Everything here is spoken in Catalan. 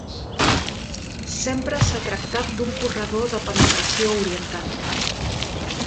Sempre s’ha tractat d’un corredor de penetració oriental.